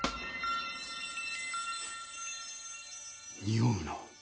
におうな。